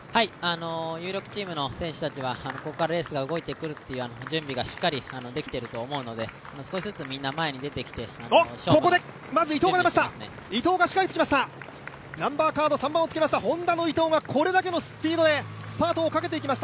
有力チームの選手たちはここからレースが動いてくるっていう準備がしっかりできていると思うのでここでまず伊藤が出ました、伊藤が仕掛けてきました。